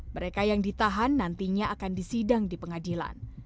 mereka yang ditahan nantinya akan disidang di pengadilan